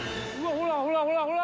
ほらほらほらほら！」